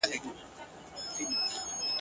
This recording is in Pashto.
پېغلو او مېرمنو په جګړه کي برخه اخیستې وه.